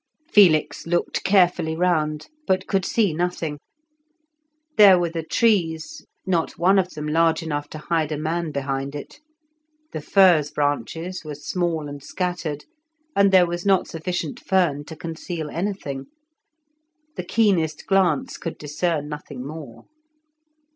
Felix looked carefully round, but could see nothing; there were the trees, not one of them large enough to hide a man behind it, the furze branches were small and scattered, and there was not sufficient fern to conceal anything. The keenest glance could discern nothing more.